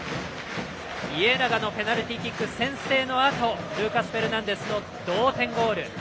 家長のペナルティーキックで先制のあとにルーカス・フェルナンデスの同点ゴール。